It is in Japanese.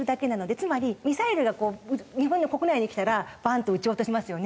つまりミサイルがこう日本の国内に来たらバンッて撃ち落としますよね。